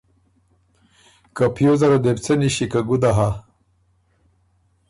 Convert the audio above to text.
که پیوزه ره دې بو څۀ نِݭی که ګُده هۀ۔